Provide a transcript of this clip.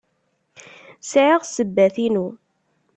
Sɛiɣ ssebbat-inu.